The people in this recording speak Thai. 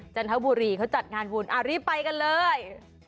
จันทบุรีเขาจัดงานบุญรีบไปกันเลย